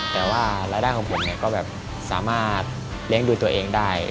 แต่ว่ารายได้ของผมเนี่ยก็แบบสามารถเลี้ยงดูตัวเองได้